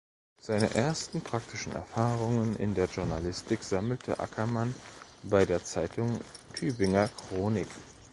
Seine ersten praktischen Erfahrungen in der Journalistik sammelte Ackermann bei der Zeitung "Tübinger Chronik".